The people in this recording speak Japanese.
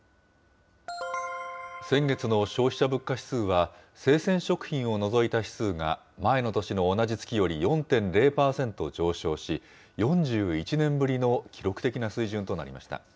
先月の消費者物価指数は、生鮮食品を除いた指数が、前の年の同じ月より４．０％上昇し、４１年ぶりの記録的な水準となりました。